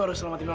itu dia itu dia